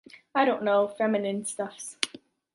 I don’t know. Feminine stuffs